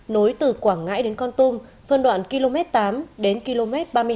nối từ quảng ngãi đến con tung phân đoạn km tám đến km ba mươi hai